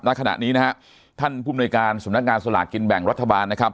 ณขณะนี้นะฮะท่านผู้มนุยการสำนักงานสลากกินแบ่งรัฐบาลนะครับ